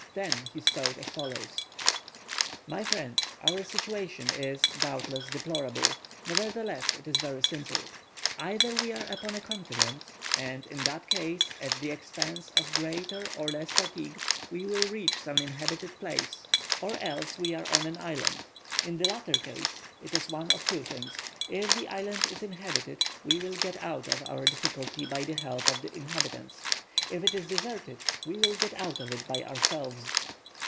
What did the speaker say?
Then he spoke as follows:— "My friends, our situation is, doubtless, deplorable, nevertheless it is very simple. Either we are upon a continent, and, in that case, at the expense of greater or less fatigue, we will reach some inhabited place, or else we are on an island. In the latter case, it is one of two things; if the island is inhabited, we will get out of our difficulty by the help of the inhabitants; if it is deserted, we will get out of it by ourselves."